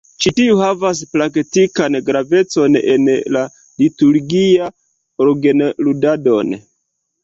Ĉi tiu havas praktikan gravecon en la liturgia orgenludado.